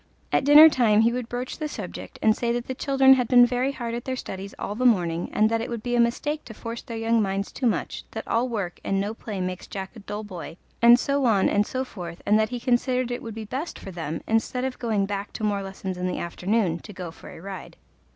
At dinner time he would broach the subject and say the children had been very hard at their studies all the morning, and that it would be a mistake to force their young minds too much, that all work and no play makes Jack a dull boy, and so on and so forth, and that he considered it would be best for them, instead of going back to more lessons in the afternoon, to go for a ride.